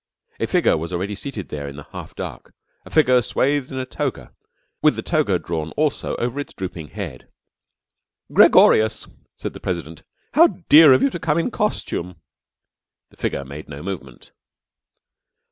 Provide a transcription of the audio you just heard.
A figure was already seated there in the half dusk, a figure swathed in a toga with the toga drawn also over its drooping head. "Gregorius!" said the President. "How dear of you to come in costume!" The figure made no movement.